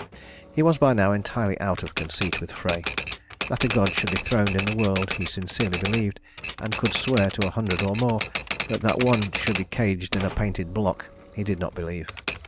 He was by now entirely out of conceit with Frey. That a god should be throned in the world he sincerely believed and could swear to a hundred or more; but that one should be caged in a painted block he did not believe.